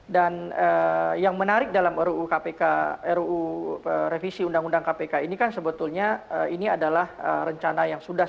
dan yang menarik dalam ruu kpk ruu revisi undang undang kpk ini kan sebetulnya ini adalah rencana yang sebutkan